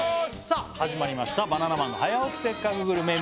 さあ始まりました「バナナマンの早起きせっかくグルメ！！」